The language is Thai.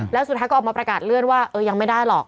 แล้วสุดท้ายก็ออกมาประกาศเลื่อนว่ายังไม่ได้หรอก